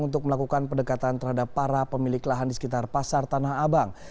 untuk melakukan pendekatan terhadap para pemilik lahan di sekitar pasar tanah abang